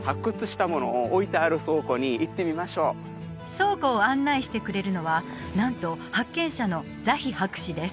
倉庫を案内してくれるのはなんと発見者のザヒ博士です